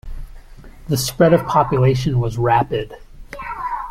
The spread of population was rapid.